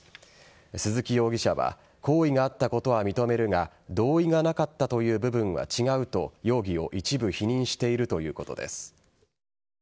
鈴木容疑者は行為があったことは認めるが同意がなかったという部分は違うと容疑を一部否認しているということです。